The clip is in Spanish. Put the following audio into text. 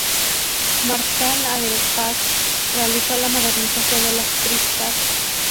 Marshall Aerospace realizó la modernización de los TriStar.